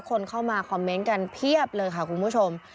คนเข้ามาคอมเมนต์กันเพียบเลยค่ะคุณผู้ชม